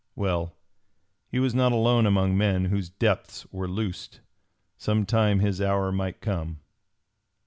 Well, he was not alone among men whose depths were loosed. Some time his hour might come.